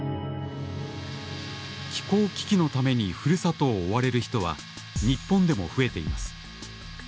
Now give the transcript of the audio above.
気候危機のために故郷を追われる人は日本でも増えています。